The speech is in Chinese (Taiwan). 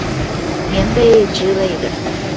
棉被之類的